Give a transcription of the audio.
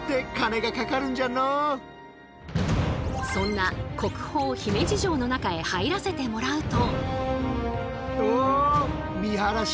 そんな国宝姫路城の中へ入らせてもらうと。